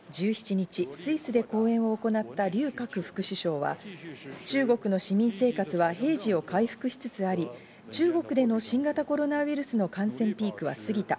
１７日、スイスで講演を行ったリュウ・カク副首相は、中国の市民生活は平時を回復しつつあり、中国での新型コロナウイルスの感染ピークは過ぎた。